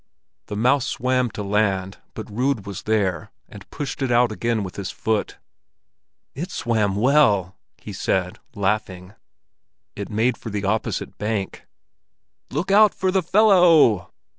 The mouse swam to land, but Rud was there, and pushed it out again with his foot. "It swam well," he said, laughing. It made for the opposite bank. "Look out for the fellow!"